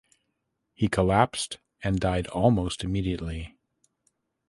He collapsed and died almost immediately.